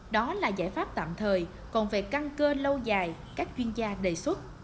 đó là giải pháp tạm thời còn về căn cơ lâu dài các chuyên gia đề xuất